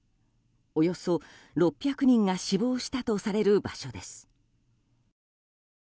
およそ６００人が死亡したとされる場所です。